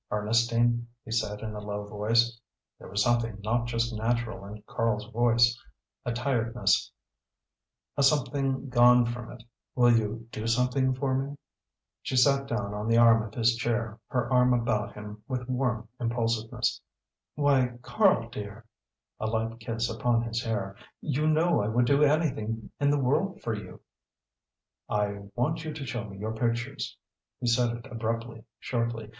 "Ernestine," he said, in a low voice there was something not just natural in Karl's voice, a tiredness, a something gone from it "will you do something for me?" She sat down on the arm of his chair, her arm about him with her warm impulsiveness. "Why Karl, dear" a light kiss upon his hair "you know I would do anything in the world for you." "I want you to show me your pictures," he said it abruptly, shortly.